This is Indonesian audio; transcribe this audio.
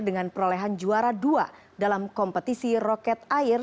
dengan perolehan juara dua dalam kompetisi roket air